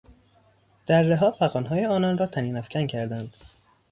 درهها فغانهای آنان را طنینافکن کردند.